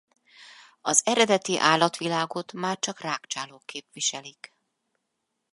Az eredeti állatvilágot már csak rágcsálók képviselik.